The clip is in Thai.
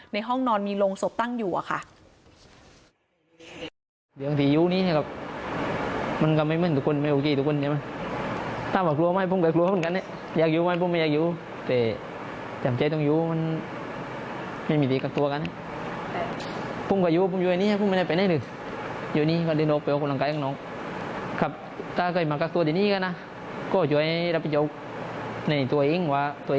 ห้องนอนมีโรงศพตั้งอยู่อะค่ะ